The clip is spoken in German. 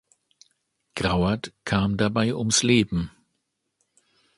Grauert kam dabei ums Leben.